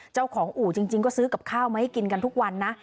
เจ้าของอู่จริงก็ซื้อกับข้าวมาให้กินกันทุกวันนะ